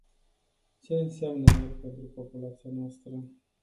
Ce înseamnă el pentru populația noastră?